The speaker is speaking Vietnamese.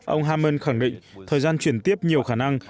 ông hammen khẳng định thời gian chuyển tiếp nhiều khả năng